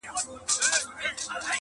د شمعي جنازې ته پروانې دي چي راځي٫